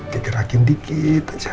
digerakin dikit aja